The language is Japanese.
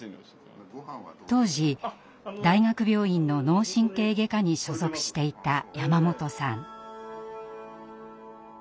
当時大学病院の脳神経外科に所属していた山本さん。